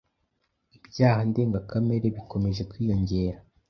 ibyaha ndengakamere bikomeje kwiyongera